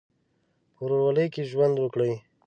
په ورورولۍ کې ژوند وکړئ.